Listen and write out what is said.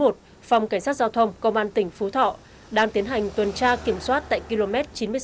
phòng cảnh sát giao thông công an tỉnh phú thọ đang tiến hành tuần tra kiểm soát tại km chín mươi sáu tám trăm linh